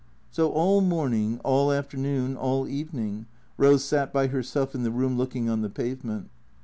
So all morning, all afternoon, all evening, Eose sat by herself in the room looking on the pavement.